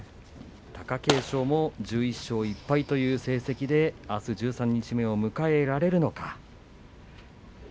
貴景勝も１１勝１敗という成績であす十三日目を迎えられるのか。